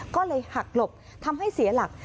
ก็เลยหักหลบทำให้เสียหลัก